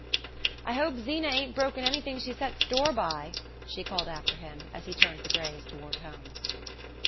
"I hope Zeena ain't broken anything she sets store by," she called after him as he turned the greys toward home.